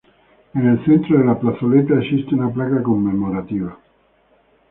En el centro de la plazoleta existe una placa conmemorativa.